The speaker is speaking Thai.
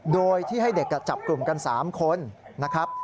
โดยที่ให้เด็กจับกลุ่มกัน๓คนนะครับ